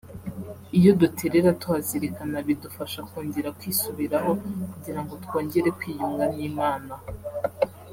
iyo duterera tuhazirikana bidufasha kongera kwisubiraho kugira ngo twongere kwiyunga n’Imana